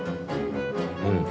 うん。